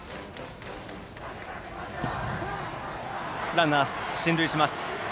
ランナー進塁します。